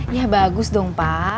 ya bagus dong pak